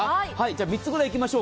３つくらいいきましょう。